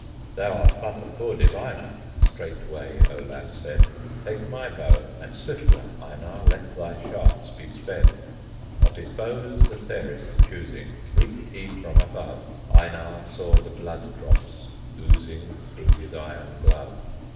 "Thou art but a poor diviner," Straightway Olaf said; "Take my bow, and swifter, Einar, Let thy shafts be sped." Of his bows the fairest choosing, Reached he from above; Einar saw the blood drops oozing Through his iron glove.